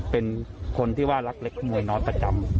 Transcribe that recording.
เป็นคนที่ว่ารักเล็กมวยน้อยประจำ